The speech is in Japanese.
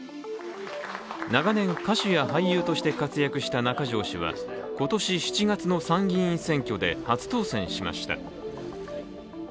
長年、歌手や俳優として活躍した中条氏は今年７月の参議院選挙で初当選しました。